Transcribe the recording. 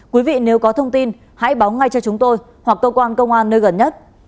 quý vị nếu có thông tin hãy báo ngay cho chúng tôi hoặc cơ quan công an nơi gần nhất